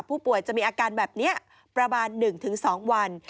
ผู้ป่วยจะมีอาการแบบนี้ประมาณ๑๒วัน